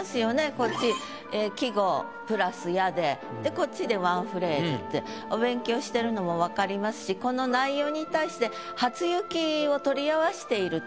こっち季語プラス「や」ででこっちで１フレーズってお勉強してるのも分かりますしこの内容に対して「初雪」を取り合わしていると。